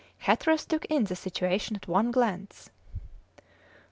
Hatteras took in the situation at one glance.